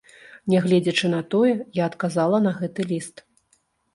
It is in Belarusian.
Нягледзячы на тое, я адказала на гэты ліст.